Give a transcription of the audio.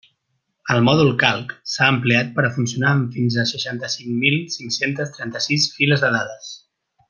El mòdul Calc s'ha ampliat per a funcionar amb fins a seixanta cinc mil cinc-centes trenta-sis files de dades.